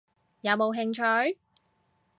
有冇興趣？